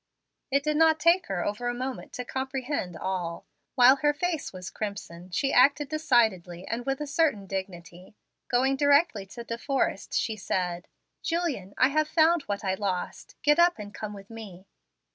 It did not take her over a moment to comprehend all. While her face was crimson, she acted decidedly and with a. certain dignity. Going directly to De Forrest she said, "Julian, I have found what I lost. Get up and come with me."